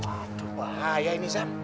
aduh bahaya ini sam